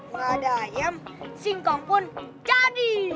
gak ada ayam singkong pun jadi